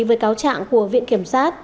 với cáo trạng của viện kiểm soát